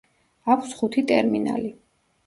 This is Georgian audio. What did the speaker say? აქვს ხუთი ტერმინალი.